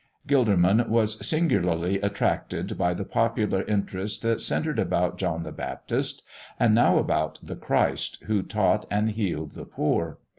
Gilderman was singularly attracted by the popular interest that centred about John the Baptist, and now about the Christ who taught and healed the poor.